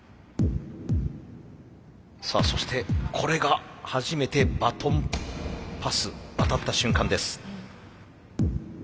さあそしてこれが初めてバトンパス渡った瞬間です。